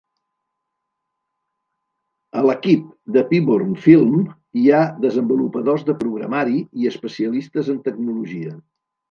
A l'equip de Pyburn Film hi ha desenvolupadors de programari i especialistes en tecnologia.